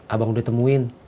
abang udah temuin